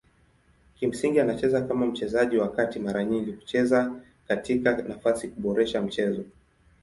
Kimsingi anacheza kama mchezaji wa kati mara nyingi kucheza katika nafasi kuboresha mchezo.